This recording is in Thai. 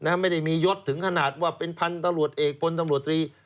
ไม่ได้มียศถึงขนาดว่าเป็นพันธุ์ตำรวจเอกพลตำรวจตรี